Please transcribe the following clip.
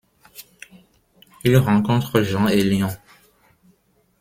Il rencontre Jean Hélion.